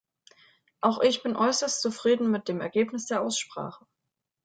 Auch ich bin äußerst zufrieden mit dem Ergebnis der Aussprache.